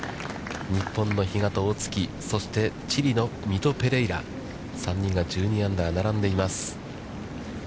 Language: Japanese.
日本の比嘉と大槻、そして、チリのミト・ペレイラ、３人が１２アンダー並んでいます。